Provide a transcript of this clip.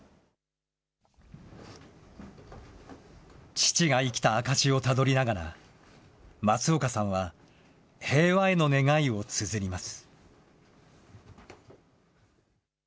父が生きた証しをたどりながら、松岡さんは平和への願いをつづります。